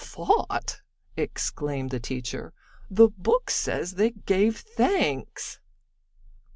"Fought!" exclaimed the teacher. "The book says they gave thanks."